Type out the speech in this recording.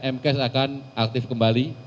m cache akan aktif kembali